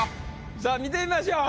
さぁ見てみましょう。